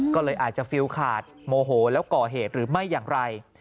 ก็เลยอาจจะฟิลขาดโมโหแล้วก่อเหตุหรือไม่อย่างไร